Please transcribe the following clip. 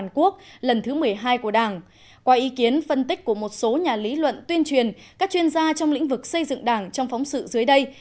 qua ý kiến phân tích của một số nhà lý luận tuyên truyền các chuyên gia trong lĩnh vực xây dựng đảng trong phóng sự dưới đây